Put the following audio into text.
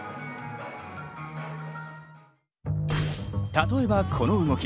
例えばこの動き。